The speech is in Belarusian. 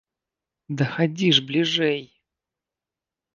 Да хадзі ж бліжэй!